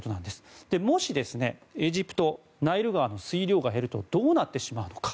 もし、エジプトナイル川の水量が減るとどうなってしまうのか。